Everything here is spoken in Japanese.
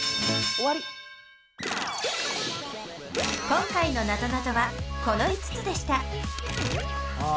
今回のなぞなぞはこの５つでしたあ